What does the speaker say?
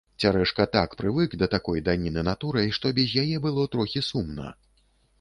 Цярэшка так прывык да такой даніны натурай, што без яе было трохі сумна.